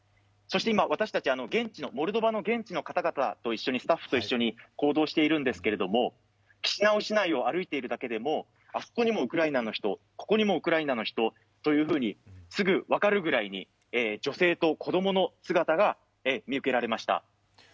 そして今、私たちモルドバの現地のスタッフと一緒に行動しているんですけれども、キシナウ市内を歩いているだけでもあそこにもウクライナの人、ここにもウクライナの人というふうにすぐ分かるぐらいに、女性と子供の姿が見受けられました。